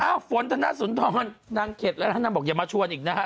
ฝนธนสุนทรนางเข็ดแล้วนะนางบอกอย่ามาชวนอีกนะฮะ